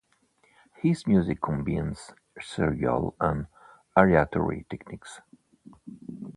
His music combines serial and aleatory techniques.